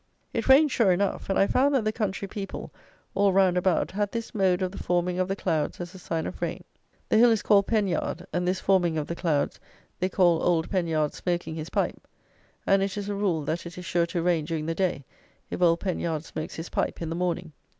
It rained sure enough; and I found that the country people, all round about, had this mode of the forming of the clouds as a sign of rain. The hill is called Penyard, and this forming of the clouds they call Old Penyard's smoking his pipe; and it is a rule that it is sure to rain during the day if Old Penyard smokes his pipe in the morning.